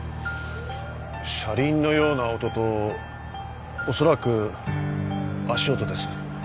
車輪のような音とおそらく足音です。